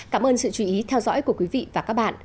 cảm ơn sự chú ý theo dõi của quý vị và các bạn